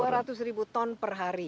dua ratus ribu ton per hari